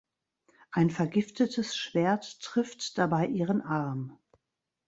Ein vergiftetes Schwert trifft dabei ihren Arm.